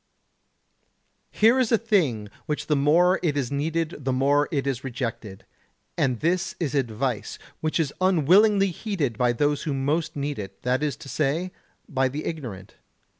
Here is a thing which the more it is needed the more it is rejected: and this is advice, which is unwillingly heeded by those who most need it, that is to say, by the ignorant.